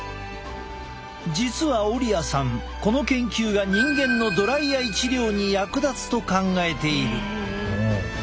実はオリアさんこの研究が人間のドライアイ治療に役立つと考えている。